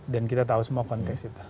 dan kita tahu semua konteks itu